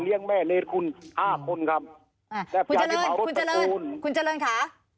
เลี้ยงแม่เลสคุณห้าคนครับอ่าคุณเจริญคุณเจริญคุณเจริญค่ะ